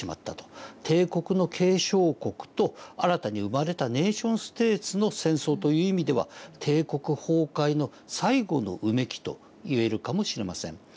帝国の継承国と新たに生まれたネーションステートの戦争という意味では帝国崩壊の最後のうめきと言えるかもしれません。